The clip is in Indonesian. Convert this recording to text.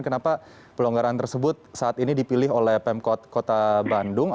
kenapa pelonggaran tersebut saat ini dipilih oleh pemkot kota bandung